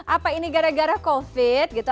apa ini gara gara covid gitu